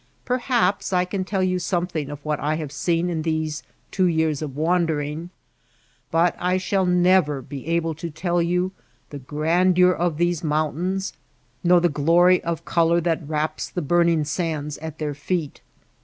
Perhaps I can tell you some thing of what I have seen in these two years of wandering; but I shall never be able to tell you the grandeur of these mountains, nor the glory of color that wraps the burning sands at their feet.